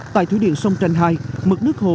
tại thủy điện sông tranh hai mức nước hồ